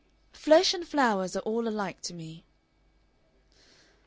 "Flesh and flowers are all alike to me."